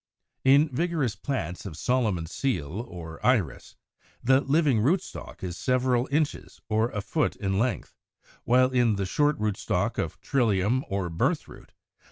In vigorous plants of Solomon's Seal or Iris, the living rootstock is several inches or a foot in length; while in the short rootstock of Trillium or Birthroot (Fig.